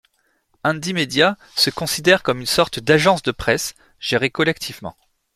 Indymedia se considère comme une sorte d'agence de presse gérée collectivement.